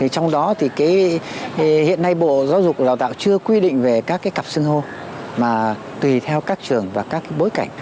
trong đó thì hiện nay bộ giáo dục và đào tạo chưa quy định về các cái cặp xưng hô mà tùy theo các trường và các bối cảnh